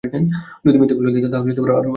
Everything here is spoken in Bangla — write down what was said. যদি মিথ্যাই বলে থাকি, তাহলে আরো বাড়িয়ে বলতাম।